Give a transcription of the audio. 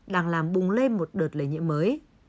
đang làm bùng lên một đợt lấy nhiễm mới